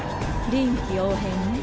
臨機応変ね。